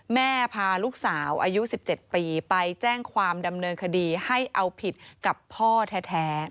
พาลูกสาวอายุ๑๗ปีไปแจ้งความดำเนินคดีให้เอาผิดกับพ่อแท้